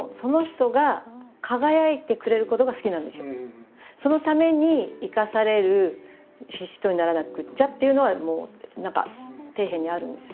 私はいつもそのために生かされる人にならなくっちゃっていうのはもう何か底辺にあるんですよ。